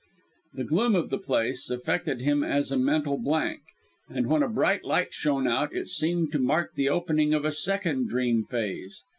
The gloom of the place effected him as a mental blank, and, when a bright light shone out, it seemed to mark the opening of a second dream phase.